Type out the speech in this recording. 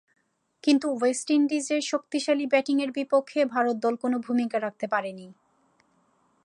কিন্তু ওয়েস্ট ইন্ডিজের শক্তিশালী ব্যাটিংয়ের বিপক্ষে ভারত দল কোন ভূমিকা রাখতে পারেনি।